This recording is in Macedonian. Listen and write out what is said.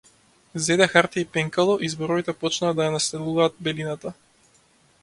Зеде хартија и пенкало и зборовите почнаа да ја населуваат белината.